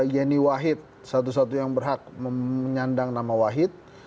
yeni wahid satu satu yang berhak menyandang nama wahid